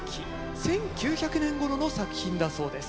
１９００年ごろの作品だそうです。